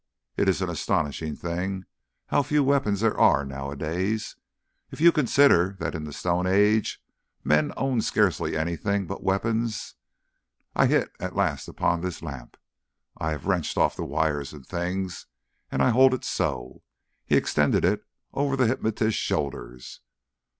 It is an astonishing thing how few weapons there are nowadays. If you consider that in the Stone Age men owned scarcely anything but weapons. I hit at last upon this lamp. I have wrenched off the wires and things, and I hold it so." He extended it over the hypnotist's shoulders.